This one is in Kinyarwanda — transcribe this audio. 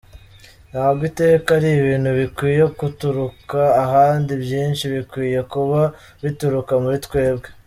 Ntabwo iteka ari ibintu bikwiye guturuka ahandi, ibyinshi bikwiye kuba bituruka muri twebwe.”